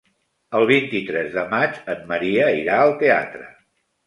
El vint-i-tres de maig en Maria irà al teatre.